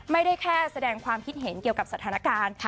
ไม่ได้แค่แสดงความคิดเห็นเกี่ยวกับสถานการณ์